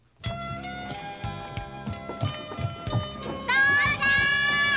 父ちゃーん！